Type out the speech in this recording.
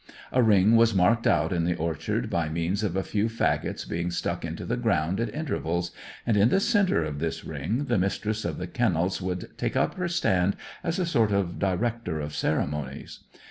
A ring was marked out in the orchard by means of a few faggots being stuck into the ground at intervals, and in the centre of this ring the Mistress of the Kennels would take up her stand as a sort of director of ceremonies.